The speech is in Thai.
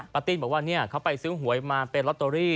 ติ้นบอกว่าเขาไปซื้อหวยมาเป็นลอตเตอรี่